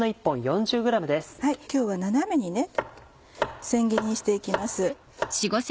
今日は斜めに千切りにして行きます。